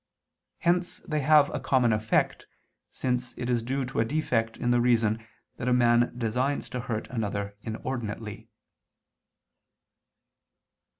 Hence they have a common effect, since it is due to a defect in the reason that a man designs to hurt another inordinately.